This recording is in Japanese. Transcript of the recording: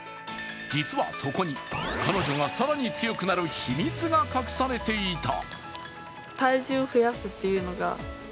実はそこに彼女が更に強くなる秘密が隠されていた。